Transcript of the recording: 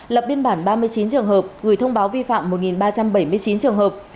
lập biên bản ba mươi chín trường hợp gửi thông báo vi phạm một ba trăm bảy mươi chín trường hợp